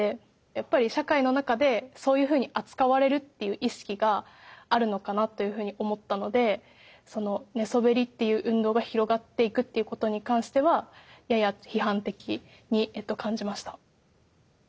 やっぱり社会の中でそういうふうに扱われるっていう意識があるのかなというふうに思ったのでその寝そべりっていう運動が広がっていくっていうことに関してはやや批判的に感じました。